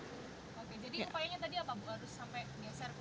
oke jadi upayanya tadi apa bu harus sampai geser bu